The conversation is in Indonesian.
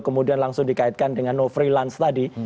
kemudian langsung dikaitkan dengan no freelance tadi